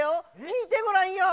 みてごらんよ。